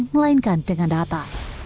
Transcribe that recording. melainkan dengan data